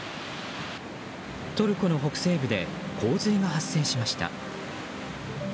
トルコの北西部で洪水が発生しました。